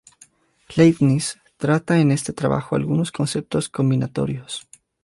Leibniz trata en este trabajo algunos conceptos combinatorios.